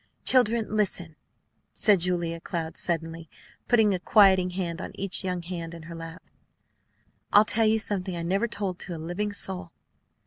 "Children, listen!" said Julia Cloud, suddenly putting a quieting hand on each young hand in her lap. "I'll tell you something I never told to a living soul."